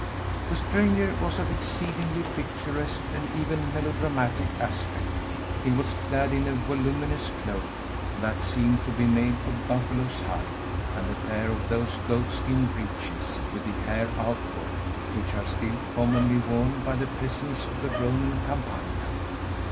The stranger was of exceedingly picturesque, and even melodramatic aspect. He was clad in a voluminous cloak, that seemed to be made of a buffalo's hide, and a pair of those goat skin breeches, with the hair outward, which are still commonly worn by the peasants of the Roman Campagna.